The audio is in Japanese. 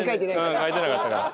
うん書いてなかったから。